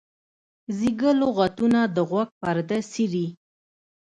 زیږه لغتونه د غوږ پرده څیري.